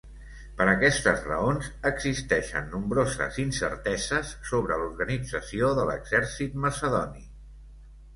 Per aquestes raons, existeixen nombroses incerteses sobre l'organització de l'exèrcit macedoni.